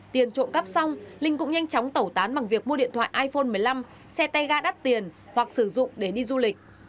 tiền trộm cắp xong linh cũng nhanh chóng tẩu tán bằng việc mua điện thoại iphone một mươi năm xe tay ga đắt tiền hoặc sử dụng để đi du lịch